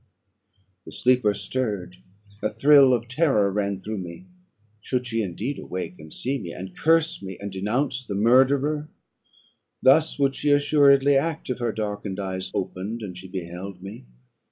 "The sleeper stirred; a thrill of terror ran through me. Should she indeed awake, and see me, and curse me, and denounce the murderer? Thus would she assuredly act, if her darkened eyes opened, and she beheld me.